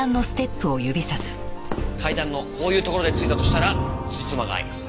階段のこういうところで付いたとしたらつじつまが合います。